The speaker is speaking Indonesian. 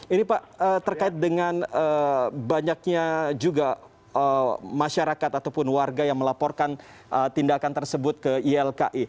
ini pak terkait dengan banyaknya juga masyarakat ataupun warga yang melaporkan tindakan tersebut ke ylki